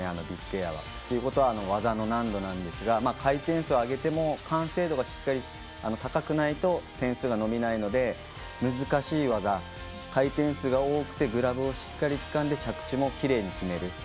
ビッグエアは。ということは技の難度なんですが回転数を上げても完成度が高くないと点数が伸びないので難しい技、回転数が多くてグラブをしっかりつかんで着地もきれいに決める。